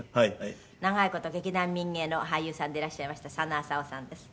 「長い事劇団民藝の俳優さんでいらっしゃいました佐野浅夫さんです。